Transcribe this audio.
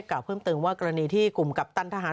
กล่าวเพิ่มเติมว่ากรณีที่กลุ่มกัปตันทหาร